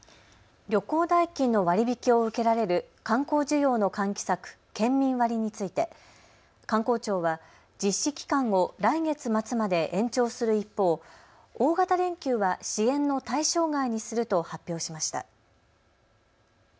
旅行代金の割り引きを受けられる観光需要の喚起策、県民割について観光庁は実施期間を来月末まで延長する一方、大型連休は支援の対象外にすると発表しました。